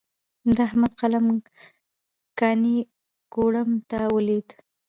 د احمد قلم کاڼی کوړم ته ولوېد.